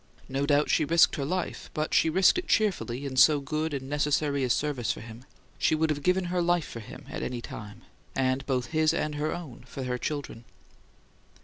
No doubt she risked her life, but she risked it cheerfully in so good and necessary a service for him. She would have given her life for him at any time, and both his and her own for her children.